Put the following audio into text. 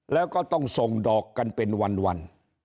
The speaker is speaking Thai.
แล้วก็ต้องส่งดอกกันเป็นวัน